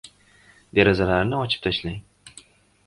Derazalarni ochib tashlang.